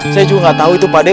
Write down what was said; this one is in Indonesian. saya juga gak tau itu pak de